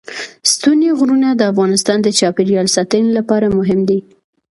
ستوني غرونه د افغانستان د چاپیریال ساتنې لپاره مهم دي.